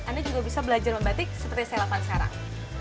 anda juga bisa belajar membatik seperti yang saya lakukan sekarang